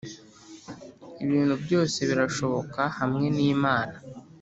ibintu byose birashoboka hamwe n'imana